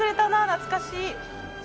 懐かしい。